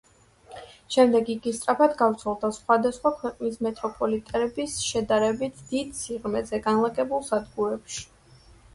შემდეგ იგი სწრაფად გავრცელდა სხვადასხვა ქვეყნის მეტროპოლიტენების შედარებით დიდ სიღრმეზე განლაგებულ სადგურებში.